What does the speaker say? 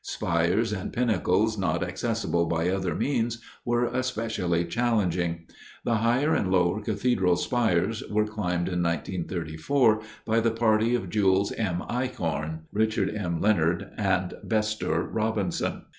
Spires and pinnacles not accessible by other means were especially challenging. The higher and lower Cathedral Spires were climbed in 1934 by the party of Jules M. Eichorn, Richard M. Leonard, and Bestor Robinson.